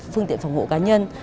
phương tiện phòng hộ cá nhân